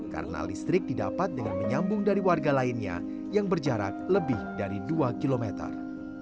karena listrik didapat dengan menyambung dari warga lainnya yang berjarak lebih dari dua kilometer